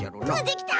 できた！